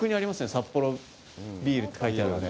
サッポロビールって書いてある、あれ。